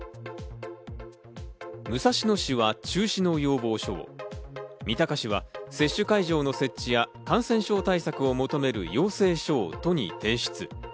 武蔵野市は中止の要望書を、三鷹市は接種会場の設置や感染症対策を求める要請書を都に提出。